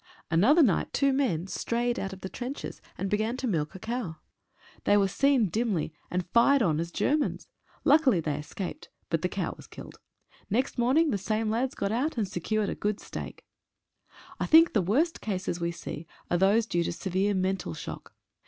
Another night two men strayed out of the trenches and began to milk a cow. They were seen dimly, and 18 THE WORST CASES. fired on as Germans. Luckily they escaped, but the cow was killed. Next morning the same lads got out and secured a good steak. I think the worst cases we see are those due to severe mental shock.